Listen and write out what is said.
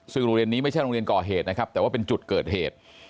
ซึ่งโรงเรียนนี้ไม่ใช่โรงเรียนก่อเหตุนะครับแต่ว่าเป็นจุดเกิดเหตุ